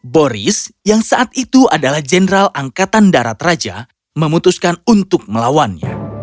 boris yang saat itu adalah jenderal angkatan darat raja memutuskan untuk melawannya